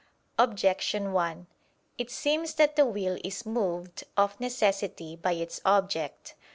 Objection 1: It seems that the will is moved, of necessity, by its object.